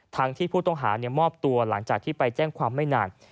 ที่ผู้ต้องหามอบตัวหลังจากที่ไปแจ้งความไม่นาน